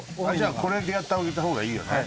これでやってあげた方がいいよね